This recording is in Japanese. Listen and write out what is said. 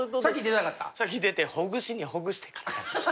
先出てほぐしにほぐしてから。